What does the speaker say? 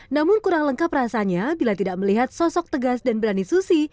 namun kurang lengkap rasanya bila tidak melihat sosok tegas dan berani susi